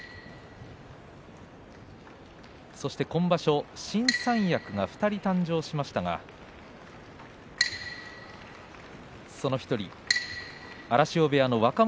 そして、今場所、新三役が２人誕生しましたがその１人、荒汐部屋の若元